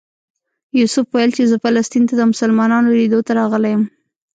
یوسف ویل چې زه فلسطین ته د مسلمانانو لیدلو ته راغلی یم.